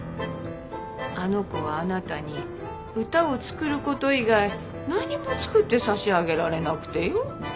あの子はあなたに歌を作ること以外何も作って差し上げられなくてよ。